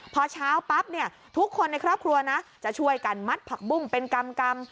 พอเช้าปั๊บเนี่ยทุกคนในครอบครัวนะจะช่วยกันมัดผักบุ้งเป็นกรรม